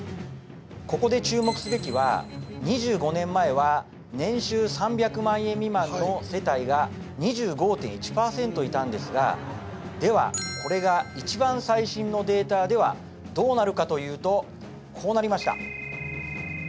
ここで注目すべきは２５年前は年収３００万円未満の世帯が２５．１％いたんですがではこれが一番最新のデータではどうなるかというとこうなりました